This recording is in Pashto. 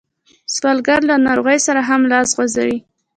سوالګر له ناروغۍ سره هم لاس غځوي